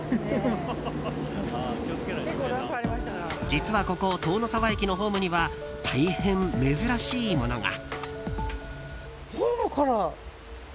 実はここ、塔ノ沢駅のホームには大変珍しいものが。